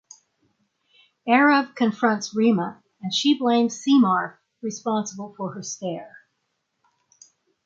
Aarav confronts Reema and she blames Simar responsible for her stare.